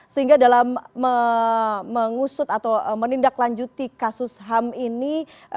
sehingga dalam mengusut atau menindaklanjuti kasus ham ini